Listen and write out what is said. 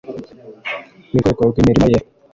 rwego rw imirimo ye